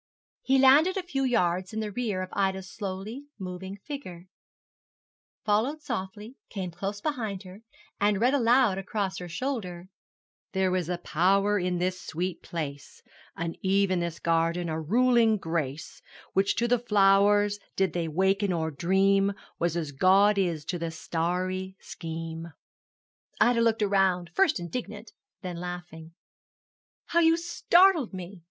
He landed a few yards in the rear of Ida's slowly moving figure, followed softly, came close behind her, and read aloud across her shoulder: 'There was a Power in this sweet place, An Eve in this garden; a ruling grace Which to the flowers, did they waken or dream, Was as God is to the starry scheme.' Ida looked round, first indignant, then laughing. 'How you startled me!'